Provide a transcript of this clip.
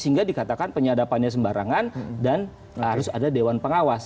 sehingga dikatakan penyadapannya sembarangan dan harus ada dewan pengawas